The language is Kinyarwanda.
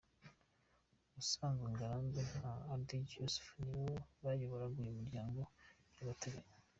Ubusanzwe Ngarambe na Hadji Youssouf nibo bayoboraga uyu muryango by’agateganyo.